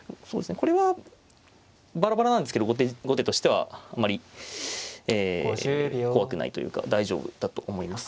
これはバラバラなんですけど後手としてはあまり怖くないというか大丈夫だと思います。